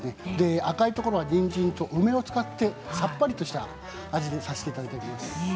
赤いところはにんじんと梅を使ってさっぱりとした味にさせていただいています。